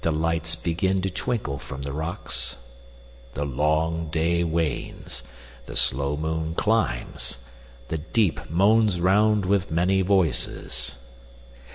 The lights begin to twinkle from the rocks: The long day wanes: the slow moon climbs: the deep Moans round with many voices.